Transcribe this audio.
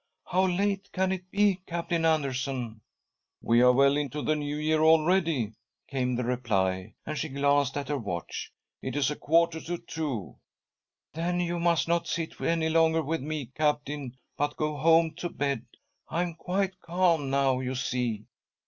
How late can it be, Captain Ahdersson ?"" We are well into the New Year already," came ■'■.■ 5 •..';■■ r ■ i .'*■■■.•■ the reply, and she glanced at her watch. "It is a quarter to two." "Then you must not sit any longer with me, Captain, but go home to bed. I am quite calm now, you see."